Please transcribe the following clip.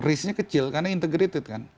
karena risk nya kecil karena integrated kan